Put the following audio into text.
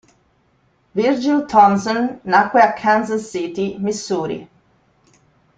Virgil Thomson nacque a Kansas City, Missouri.